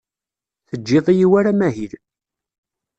Teǧǧid-iyi war amahil.